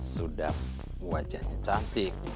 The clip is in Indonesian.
sudap wajahnya cantik